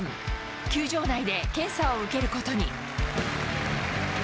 球場内で検査を受けることに。